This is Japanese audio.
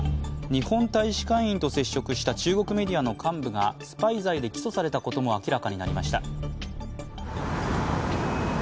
日本大使館員と接触した中国メディアの幹部がスパイ罪で起訴されたことも明らかになりました。